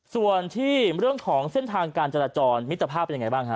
ส่วนที่เรื่องของเส้นทางการจราจรมิตรภาพเป็นยังไงบ้างฮะ